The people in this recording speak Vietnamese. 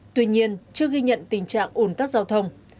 tuy nhiên chưa ghi nhận tình trạng ủn tắc giao thông